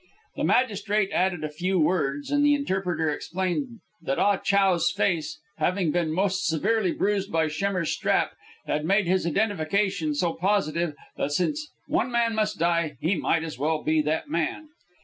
The magistrate added a few words, and the interpreter explained that Ah Chow's face having been most severely bruised by Schemmer's strap had made his identification so positive that, since one man must die, he might as well be that man.